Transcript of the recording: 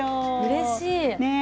うれしい。